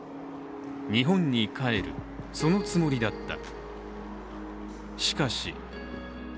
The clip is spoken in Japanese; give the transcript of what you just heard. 日本に帰る、そのつもりだった。